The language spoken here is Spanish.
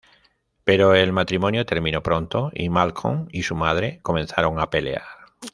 Pero el matrimonio terminó pronto, y Malcolm y su madre comenzaron a pelear.